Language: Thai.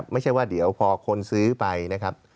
ไม่ใช่ว่าเดี๋ยวพอคนซื้อไปนะครับ